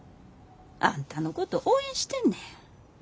あんたのこと応援してんねん。